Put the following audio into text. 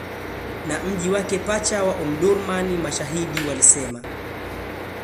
na mji wake pacha wa Omdurman mashahidi walisema